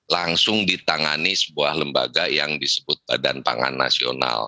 langsung ditangani sebuah lembaga yang disebut badan pangan nasional